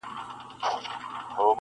o څه موده پس د قاضي معاش دوه چند سو,